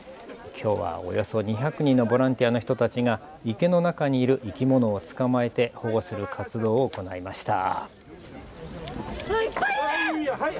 きょうはおよそ２００人のボランティアの人たちが池の中にいる生き物を捕まえて保護する活動を行いました。